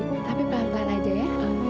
tapi perlahan lahan aja ya